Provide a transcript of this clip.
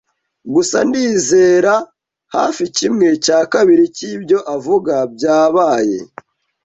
Gusa ndizera hafi kimwe cya kabiri cyibyo avuga byabaye.